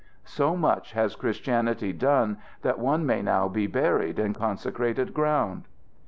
So much has Christianity done that one may now be buried in consecrated ground.